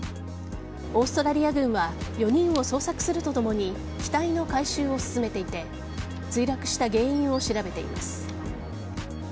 オーストラリア軍は４人を捜索するとともに機体の回収を進めていて墜落した原因を調べています。